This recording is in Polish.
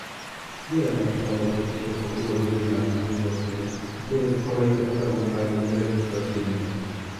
Wiele napisano o procesie pokojowym w Irlandii Północnej i to jest kolejne sprawozdanie nielegislacyjne